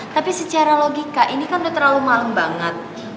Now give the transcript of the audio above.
tapi secara logika ini kan udah terlalu malam banget